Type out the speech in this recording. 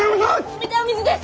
冷たいお水です！